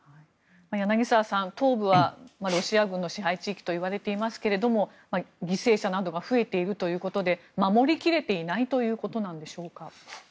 柳澤さん、東部はロシア軍の支配地域といわれていますが犠牲者などが増えているということで守り切れていないということなんでしょうか。